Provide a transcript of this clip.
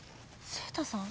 晴太さん？